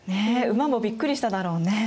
馬もびっくりしただろうね。